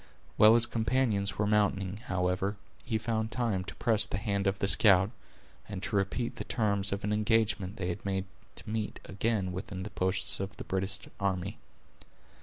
While his companions were mounting, however, he found time to press the hand of the scout, and to repeat the terms of an engagement they had made to meet again within the posts of the British army.